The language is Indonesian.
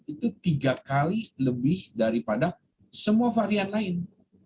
itu tiga kali lebih daripada semua varian lain